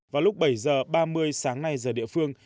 vào lúc bảy h ba mươi sáng nay giờ địa phương